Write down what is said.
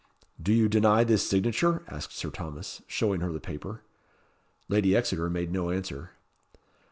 "Do you deny this signature?" asked Sir Thomas, showing her the paper. Lady Exeter made no answer.